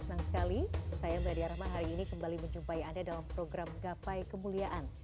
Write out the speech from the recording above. senang sekali saya meladia rahma hari ini kembali menjumpai anda dalam program gapai kemuliaan